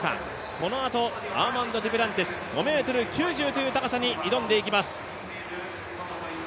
このあとアーマンド・デュプランティス、５ｍ９０という高さに挑んでいきます。